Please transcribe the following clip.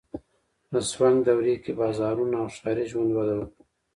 د سونګ دورې کې بازارونه او ښاري ژوند وده وکړه.